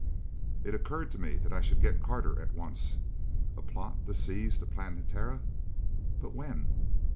It occurred to me that I should get Carter at once. A plot to seize the Planetara but when?